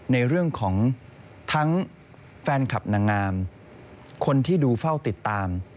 ในเรื่องของทั้งแฟนคลับนางงามคนที่ดูเฝ้าติดตาม